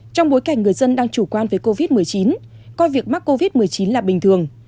trong bối cảnh người dân đang chủ quan về covid một mươi chín coi việc mắc covid một mươi chín là bình thường